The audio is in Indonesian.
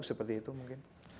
seperti itu mungkin